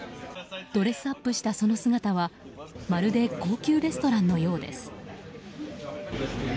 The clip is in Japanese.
ドレスアップしたその姿はまるで高級レストランのようです。